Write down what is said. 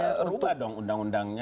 ya rubah dong undang undangnya